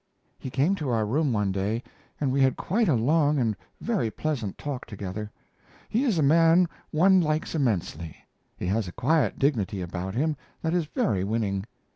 He came to our room one day, and we had quite a long and a very pleasant talk together. He is a man one likes immensely. He has a quiet dignity about him that is very winning.